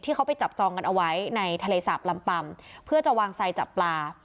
เขาไปจับจองกันเอาไว้ในทะเลสาบลำปำเพื่อจะวางไซดจับปลา